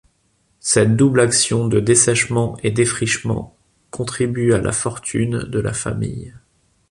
Cette double action de dessèchement et défrichement contribue à la fortune de la famille.